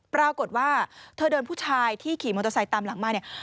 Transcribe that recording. ปรากฏว่าเธอเดินผู้ชายที่ขี่มอเตอร์ไซค์ตามหลังมาเนี่ย